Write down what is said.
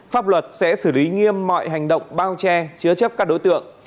pháp luật sẽ xử lý nghiêm mọi hành động bao che chứa chấp các đối tượng